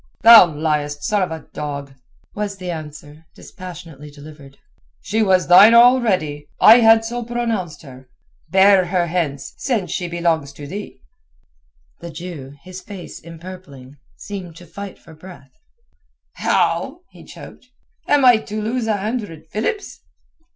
"Thou liest, son of a dog," was the answer, dispassionately delivered. "She was thine already. I had so pronounced her. Bear her hence, since she belongs to thee." The Jew, his face empurpling, seemed to fight for breath "How?" he choked. "Am I to lose a hundred philips?"